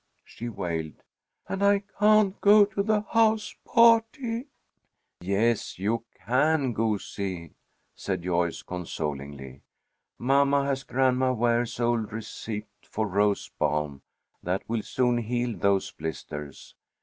she wailed. "And I can't go to the house party " "Yes, you can, goosey," said Joyce, consolingly. "Mamma has Grandma Ware's old receipt for rose balm, that will soon heal those blisters.